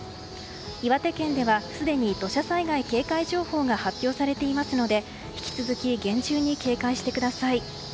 岩手県ではすでに土砂災害警戒情報が発表されていますので引き続き厳重に警戒してください。